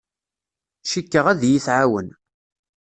Cikkeɣ ad iyi-tɛawen.